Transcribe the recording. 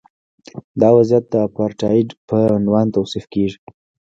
دا وضعیت د اپارټایډ په عنوان توصیف کیږي.